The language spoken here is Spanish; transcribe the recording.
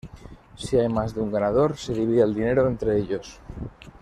Si hay más de un ganador, se divide el dinero entre ellos.